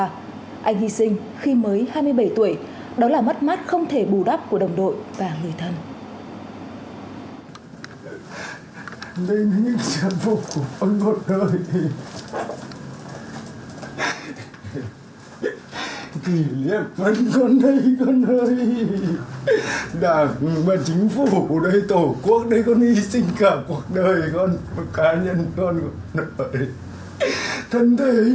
anh hy sinh khi mới hai mươi bảy tuổi đó là mắt mắt không thể bù đắp của đồng đội và người thân